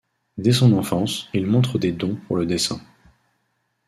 Dès son enfance il montre des dons pour le dessin.